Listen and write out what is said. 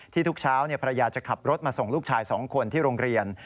ทุกเช้าภรรยาจะขับรถมาส่งลูกชาย๒คนที่โรงเรียน